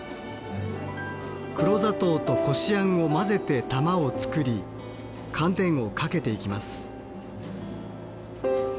黒砂糖とこしあんを混ぜて玉を作り寒天をかけていきます。